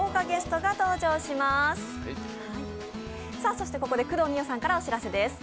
そしてここで工藤美桜さんからお知らせです。